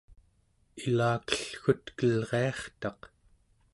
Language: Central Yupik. ilakellgutkelriartaq